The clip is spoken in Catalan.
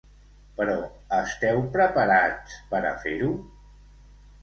Però esteu preparats per a fer-ho?